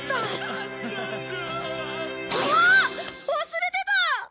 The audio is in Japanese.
忘れてた！